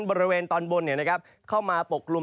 บริเวณตอนบนเข้ามาปกกลุ่ม